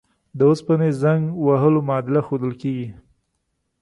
د اوسپنې زنګ وهلو معادله ښودل کیږي.